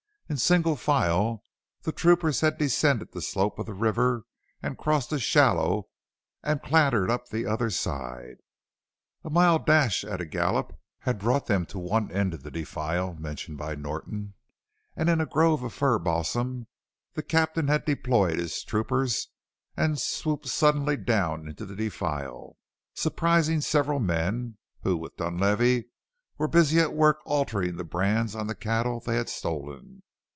In single file the troopers had descended the slope of the river, crossed a shallow, and clattered up the other side. A mile dash at a gallop had brought them to one end of the defile mentioned by Norton, and in a grove of fir balsam the captain had deployed his troopers and swooped suddenly down into the defile, surprising several men, who with Dunlavey, were busily at work altering the brands on the cattle they had stolen.